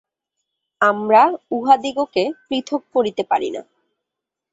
আমরা উহাদিগকে পৃথক করিতে পারি না।